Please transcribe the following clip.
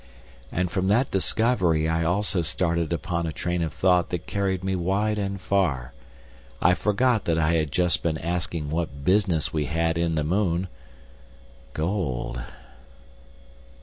And from that discovery I also started upon a train of thought that carried me wide and far. I forgot that I had just been asking what business we had in the moon. Gold....